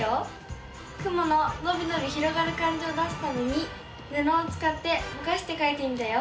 雲ののびのび広がる感じを出すためにぬのをつかってぼかしてかいてみたよ。